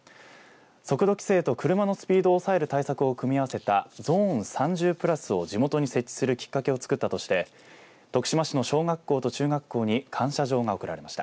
速度規制と車のスピードを抑える対策を組み合わせたゾーン３０プラスを地元に設置するきっかけを作ったとして徳島市の小学校と中学校に感謝状が送られました。